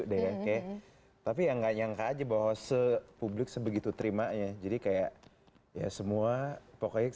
deh oke tapi yang nggak nyangka aja bahwa sepublik sebegitu terima ya jadi kayak ya semua pokoknya